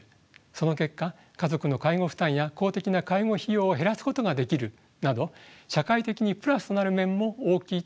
その結果家族の介護負担や公的な介護費用を減らすことができるなど社会的にプラスとなる面も大きいと思われます。